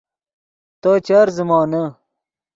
تو چر زخمے